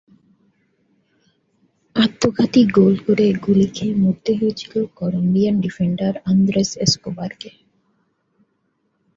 আত্মঘাতী গোল করে গুলি খেয়ে মরতে হয়েছিল কলম্বিয়ান ডিফেন্ডার আন্দ্রেস এসকোবারকে।